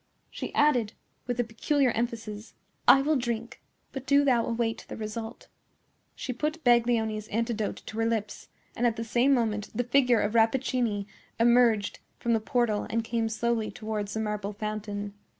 She added, with a peculiar emphasis, "I will drink; but do thou await the result." She put Baglioni's antidote to her lips; and, at the same moment, the figure of Rappaccini emerged from the portal and came slowly towards the marble fountain.